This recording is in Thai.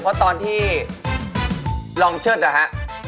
เพราะตอนที่ลองเชิดนะฮะ